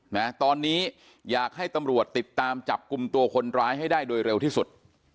นะตอนนี้อยากให้ตำรวจติดตามจับกลุ่มตัวคนร้ายให้ได้โดยเร็วที่สุด